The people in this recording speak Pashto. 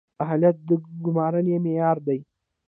اهلیت د ګمارنې معیار دی